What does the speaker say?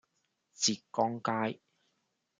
浙江街